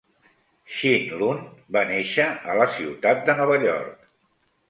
Chinlund va néixer a la ciutat de Nova York.